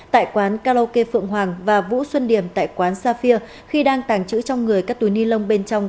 tại quán karaoke phượng hoàng và vũ xuân điểm tại quán xafir khi đang tàng trữ trong người các túi ni lông bên trong